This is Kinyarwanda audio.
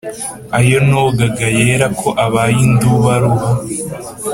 ayo nonkaga yera ko abaye indubaruba